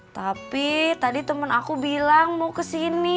tapi tadi temen aku bilang mau kesini